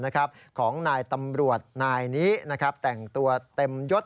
ของนายตำรวจนายนี้แต่งตัวเต็มยศ